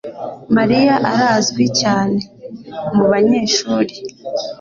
Mariya arazwi cyane mubanyeshuri